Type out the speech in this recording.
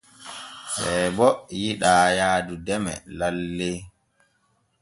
Seebo yiɗaa yaadu deme lalle.